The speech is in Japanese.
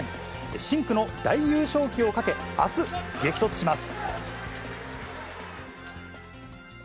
深紅の大優勝旗をかけ、あす、激突します。